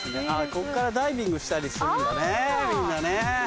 ここからダイビングしたりするんだねみんなね。